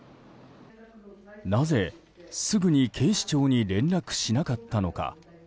なぜ、すぐに警視庁に連絡しなかったのか。